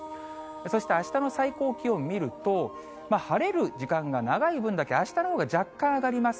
そしてあしたの最高気温見ると、晴れる時間が長い分だけ、あしたのほうが若干上がります。